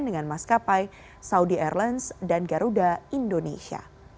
dengan maskapai saudi airlines dan garuda indonesia